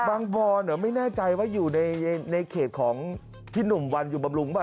บอลไม่แน่ใจว่าอยู่ในเขตของพี่หนุ่มวันอยู่บำรุงป่